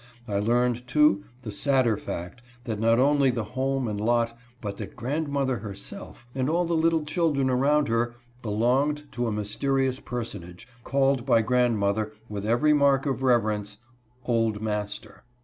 I learned, too, the sadder fact, that not only the home and lot, but that grandmother herself and all the little children around her belonged to a mysterious personage, called by grand mother, with every mark of reverence, l% Old Master."